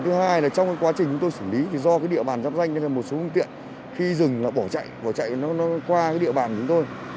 thứ hai là trong quá trình chúng tôi xử lý thì do địa bàn giáp danh nên một số phương tiện khi dừng bỏ chạy qua địa bàn của chúng tôi